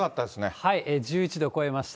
はい、１１度超えました。